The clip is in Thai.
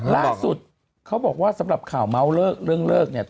ล่าสุดเขาบอกว่าสำหรับข่าวเมาส์เรื่องเลิกเนี่ย